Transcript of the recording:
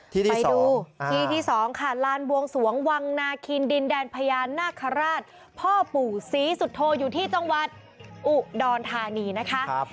ไปดูที่ที่สองค่ะลานบวงสวงวังนาคินดินแดนพญานาคาราชพ่อปู่ศรีสุโธอยู่ที่จังหวัดอุดรธานีนะคะ